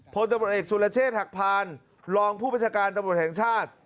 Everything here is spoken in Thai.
พลตำรวจเอกสุรเชษฐ์หักพานรองผู้ประชาการตำรวจแห่งชาติ